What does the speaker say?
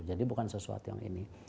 jadi bukan sesuatu yang ini